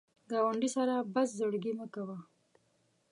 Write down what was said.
ګاونډي سره بد زړګي مه کوه